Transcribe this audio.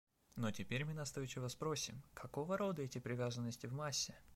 Но теперь мы настойчиво спросим: какого рода эти привязанности в массе?